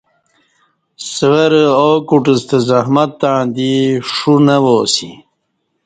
سورہ ا کوٹ ستہ زحمت تݩع دی ݜونہ وا اسی